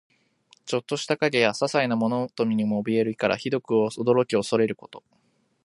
ちょっとした影やささいな物音にもおびえる意から、ひどく驚き怖れること。